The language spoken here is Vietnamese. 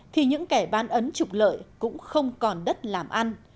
thì những kẻ bán ấn trục lợi cũng không còn đất làm ăn